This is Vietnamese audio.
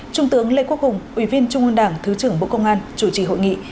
trung tướng lê quốc hùng ủy viên trung ương đảng thứ trưởng bộ công an chủ trì hội nghị